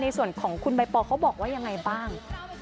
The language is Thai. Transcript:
ในส่วนของคุณใบปอลเขาบอกว่ายังไงบ้าง